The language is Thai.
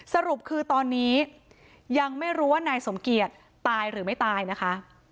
สรุปคือตอนนี้ยังไม่รู้ว่านายสมเกียจตายหรือไม่ตายนะคะ